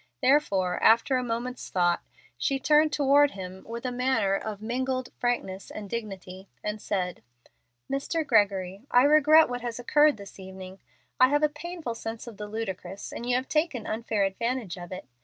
Therefore, after a moment's thought, she turned toward him with a manner of mingled frankness and dignity, and said, "Mr. Gregory, I regret what has occurred this evening. I have a painful sense of the ludicrous, and you have taken unfair advantage of it.